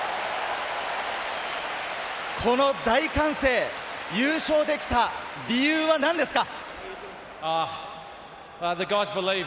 この大歓声、優勝できた理由は何ですか？